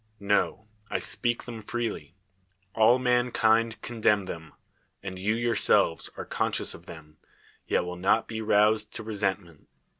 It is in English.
No: I speak them freely; all mankind condemn them, and you yourselves are conscious of them, yet will not be roused to resentment.